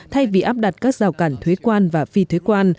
thay vì áp đặt các rào cản thuế quan và phi thuế quan